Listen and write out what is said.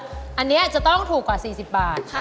อันนี้อันเนี้ยจะต้องถูกกว่า๔๐บาท